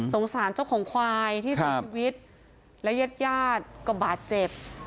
สงสารเจ้าของควายที่สู้ชีวิตและเย็ดยาดก็บาดเจ็บ